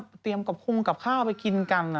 ก็สิมีเริกงามเรียบร้อย